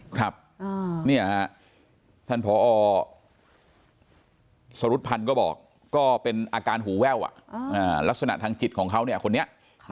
ครับเนี่ยฮะท่านพอสรุธพันธ์ก็บอกก็เป็นอาการหูแว่วลักษณะทางจิตของเขาเนี่ยคนนี้